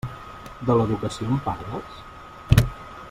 De l'educació em parles?